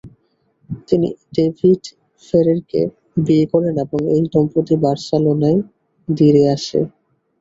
তিনি ডেভিড ফেরেরকে বিয়ে করেন এবং এই দম্পতি বার্সেলোনায় দিরে আসে।